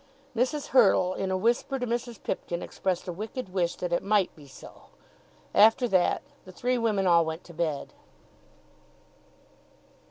Mrs. Hurtle in a whisper to Mrs. Pipkin expressed a wicked wish that it might be so. After that the three women all went to bed.